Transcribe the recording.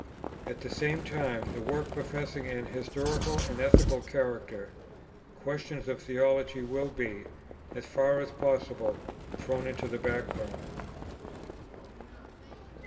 At the same time, the work professing an historical and ethical character, questions of theology will be, as far as possible, thrown into the back ground.